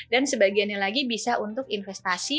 dan sebagiannya lagi bisa untuk investasi